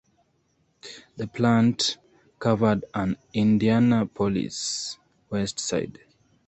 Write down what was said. The plant covered on Indianapolis' west side.